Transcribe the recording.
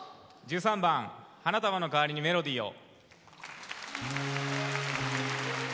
１３番「花束のかわりにメロディーを」。